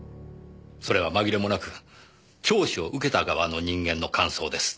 それは紛れもなく聴取を受けた側の人間の感想です。